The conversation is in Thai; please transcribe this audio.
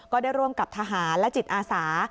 ก็ได้ร่วมกับทหารและจิตอาสา